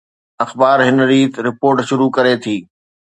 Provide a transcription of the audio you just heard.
اخبار هن ريت رپورٽ شروع ڪري ٿي